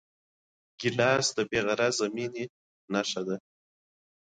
ګیلاس د بېغرضه مینې نښه ده.